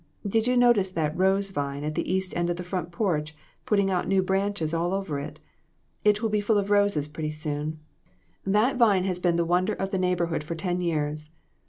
Did you notice that rose vine at the east end of the front porch putting out new branches all over it? It will be full of roses pretty soon. That LESSONS. I// vine has been the wonder of the neighborhood for ten years.